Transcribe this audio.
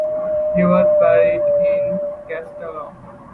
He was buried in Castalon.